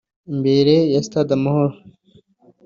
imbere ya Stade Amahoro